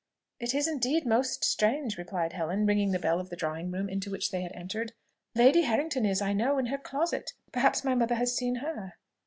"It is indeed most strange," replied Helen, ringing the bell of the drawing room, into which they had entered. "Lady Harrington is, I know, in her closet, perhaps my mother has seen her."